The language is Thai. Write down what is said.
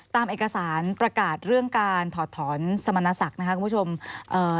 ตามเอกสารประกาศเรื่องการถอดถอนสมรรณศักดิ์